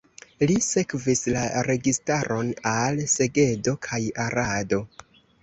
Li sekvis la registaron al Segedo kaj Arado.